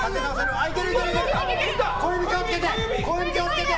小指、気を付けて。